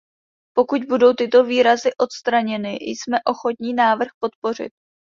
Pokud budou tyto výrazy odstraněny, jsme ochotní návrh podpořit.